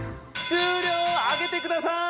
あげてください！